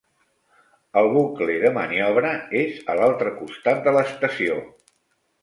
El bucle de maniobra és a l'altre costat de l'estació.